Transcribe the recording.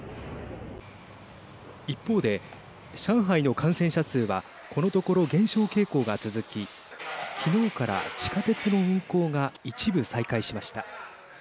一方で、上海の感染者数はこのところ減少傾向が続ききのうから地下鉄の運行が一部、再開しました。